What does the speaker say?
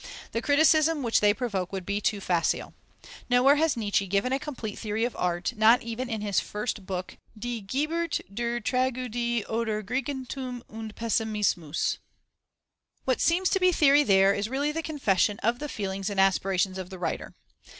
The criticism which they provoke would be too facile. Nowhere has Nietzsche given a complete theory of art, not even in his first book, Die Geburt der Tragödie oder Griechentum und Pessimismus. What seems to be theory there, is really the confession of the feelings and aspirations of the writer.